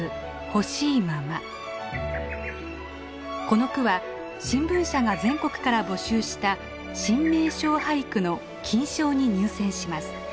この句は新聞社が全国から募集した新名勝俳句の金賞に入選します。